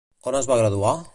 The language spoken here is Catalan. On es va graduar?